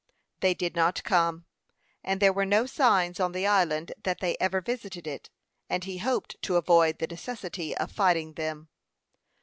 They did not come, and there were no signs on the island that they ever visited it, and he hoped to avoid the necessity of fighting them.